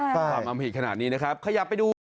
ความอำหิตขนาดนี้นะครับ